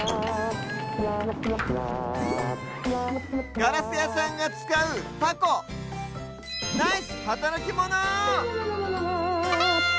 ガラスやさんがつかう「タコ」ナイスはたらきモノ！